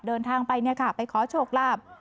เดินทางไปไปขอโชคลาภ